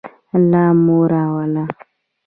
الله مو راوله